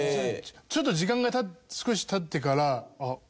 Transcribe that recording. ちょっと時間が経って少し経ってから。